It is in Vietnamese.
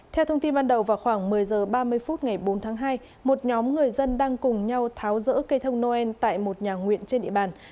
theo thông tin ban đầu vào khoảng một mươi h ba mươi phút ngày bốn tháng hai một nhóm người dân đang cùng nhau tháo rỡ cây thông noel tại một nhà nguyện trên địa bàn